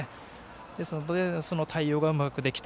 ですので、対応がうまくできた。